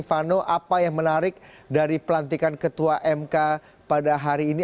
vano apa yang menarik dari pelantikan ketua mk pada hari ini